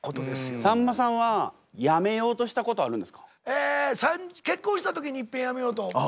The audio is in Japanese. え結婚した時にいっぺん辞めようと思った。